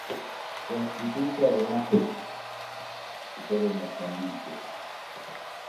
Constituye además el punto más elevado de todo Mozambique.